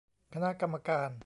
คณะกรรมการ